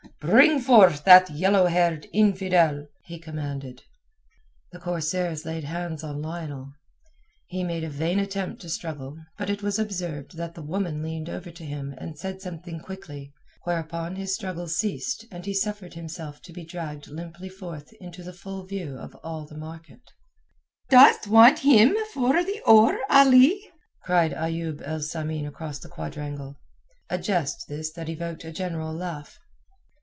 "Bring forth that yellow haired infidel," he commanded. The corsairs laid hands on Lionel. He made a vain attempt to struggle, but it was observed that the woman leaned over to him and said something quickly, whereupon his struggles ceased and he suffered himself to be dragged limply forth into the full view of all the market. "Dost want him for the oar, Ali?" cried Ayoub el Samin across the quadrangle, a jest this that evoked a general laugh.